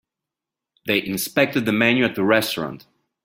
They inspected the menu at the restaurant.